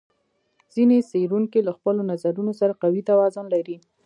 ځینې څېړونکي له خپلو نظرونو سره قوي توازن لري.